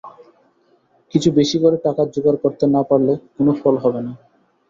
কিছু বেশি করে টাকা জোগাড় করতে না পারলে কোনো ফল হবে না।